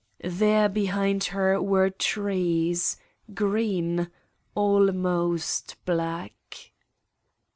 There be hind her were trees, green, almost black.